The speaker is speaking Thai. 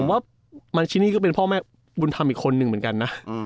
ผมว่ามาชินี่ก็เป็นพ่อแม่บุญธรรมอีกคนนึงเหมือนกันนะ